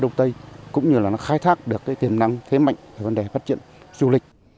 là nó khai thác được tiềm năng thế mạnh về vấn đề phát triển du lịch